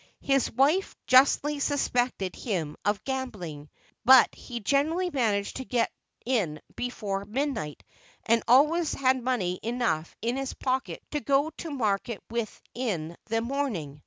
His wife justly suspected him of gambling; but he generally managed to get in before midnight, and always had money enough in his pocket to go to market with in the morning.